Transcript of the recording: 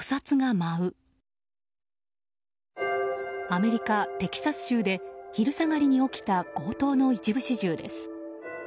アメリカ・テキサス州で昼下がりに起きた強盗の一部始終です。